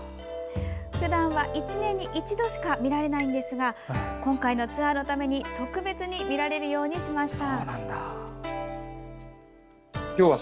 ふだんは１年に１度しか見られないのですが今回のツアーのために特別に見られるようにしました。